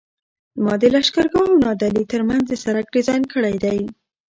ما د لښکرګاه او نادعلي ترمنځ د سرک ډیزاین کړی دی